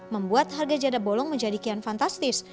membuat harga jada bolong menjadi kian fantastis